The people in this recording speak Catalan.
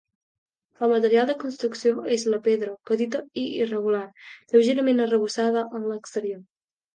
El material de construcció és la pedra, petita i irregular, lleugerament arrebossada en l'exterior.